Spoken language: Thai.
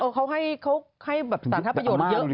เขาให้สารทัพพอิโยชน์เยอะมาก